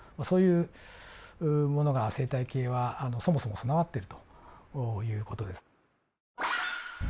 そういうものが生態系はそもそも備わっているという事です。